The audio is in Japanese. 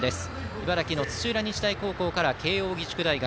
茨城の土浦日大高校から慶応義塾大学。